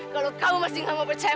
kalau kamu masih gak mau percaya